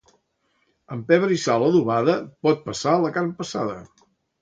Amb pebre i sal adobada, pot passar la carn passada.